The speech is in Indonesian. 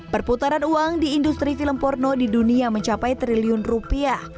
perputaran uang di industri film porno di dunia mencapai triliun rupiah